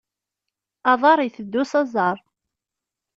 Aḍar iteddu s aẓar.